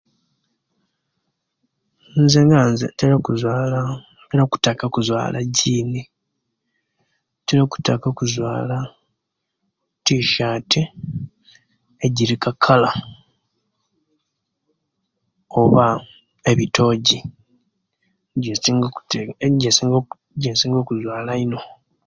Nze nga nze ntira okutaka ntira okuzuwala okutaka okuzuwala ejini, ntira okutaka okuzwala etisyat ejiriku ekala oba ebitoji, ejensinga ejensinga ejensinga okuzwala eino